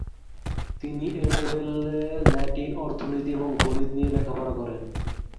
তিনি এ লেভেলে ল্যাটিন, অর্থনীতি এবং গণিত নিয়ে লেখাপড়া করেন।